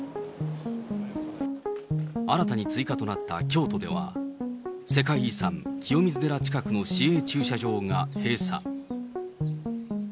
新たに追加となった京都では、世界遺産、清水寺近くの市営駐車場が閉鎖。